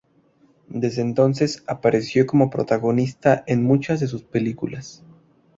Desde entonces apareció como protagonista en muchas de sus películas.